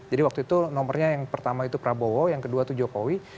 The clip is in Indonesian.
jadi waktu itu nomernya yang pertama itu prabowo yang kedua itu jokowi